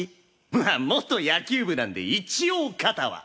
まあ元野球部なんで一応肩は。